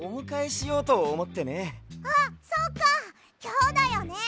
あっそうかきょうだよね！